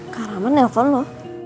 kakak mah nelfon lu